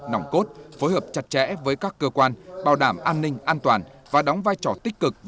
nòng cốt phối hợp chặt chẽ với các cơ quan bảo đảm an ninh an toàn và đóng vai trò tích cực